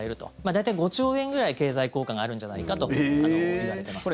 大体、５兆円ぐらい経済効果があるんじゃないかといわれています。